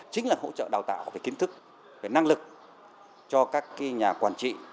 chính là hỗ trợ đào tạo về kiến thức về năng lực cho các nhà quản trị